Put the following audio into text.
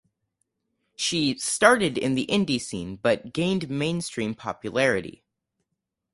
She started in the indie scene but gained mainstream popularity.